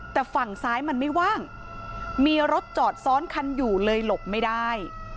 แต่ฝั่งซ้ายมันไม่ว่างมีรถจอดซ้อนคันอยู่เลยหลบไม่ได้